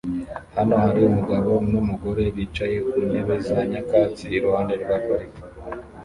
Hano hari umugabo numugore bicaye ku ntebe za nyakatsi iruhande rwa parike